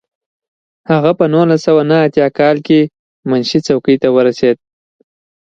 هغه په نولس سوه نهه اتیا کال کې منشي څوکۍ ته ورسېد.